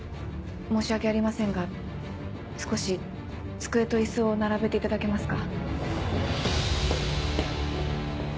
申し訳ありませんが少し机と椅子を並べていただけますか？